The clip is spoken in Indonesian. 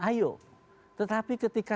ayo tetapi ketika